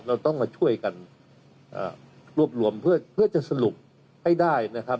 เราต้องมาช่วยกันรวบรวมเพื่อจะสรุปให้ได้นะครับ